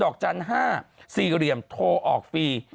ดอกจัน๕๕๐๕โทรออกฟรี